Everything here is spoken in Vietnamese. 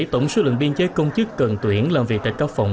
tổng số lượng biên chế công chức cần tuyển làm việc tại các phòng